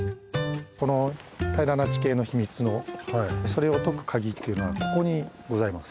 この平らな地形の秘密のそれを解く鍵というのはここにございます。